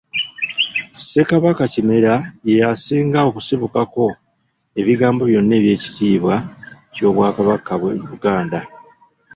Ssekabaka Kimera ye asinga okusibukako ebigambo byonna eby'ekitiibwa ky'Obwakabaka bw'e Buganda.